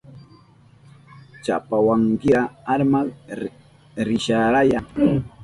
Chapawankira armak risharaya.